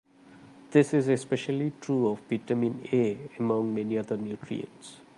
This is especially true of vitamin A, among many other nutrients.